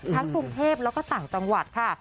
กรุงเทพแล้วก็ต่างจังหวัดค่ะ